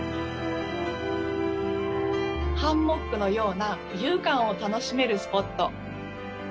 ハンモックのような浮遊感を楽しめるスポット。